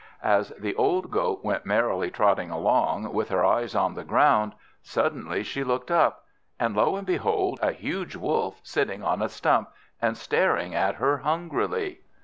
As the old Goat went merrily trotting along, with her eyes on the ground, suddenly she looked up and lo and behold! a huge Wolf sitting on a stump, and staring at her hungrily!